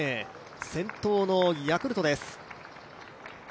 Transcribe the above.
先頭のヤクルトです。